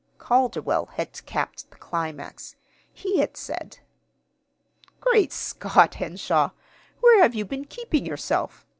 Calderwell had capped the climax. He had said: "Great Scott, Henshaw, where have you been keeping yourself?